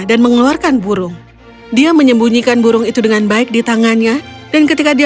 dan mengeluarkan burung dia menyembunyikan burung itu dengan baik di tangannya dan ketika dia